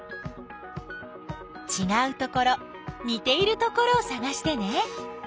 ちがうところにているところをさがしてね。